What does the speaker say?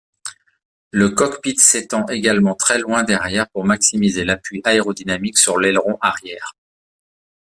Le cockpit s'étend également très loin derrière pour maximiser l'appui aérodynamique sur l'aileron arrière.